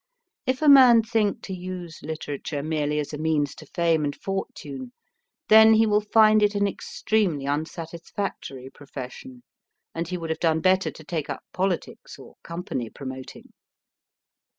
If a man think to use literature merely as a means to fame and fortune, then he will find it an extremely unsatisfactory profession, and he would have done better to take up politics or company promoting.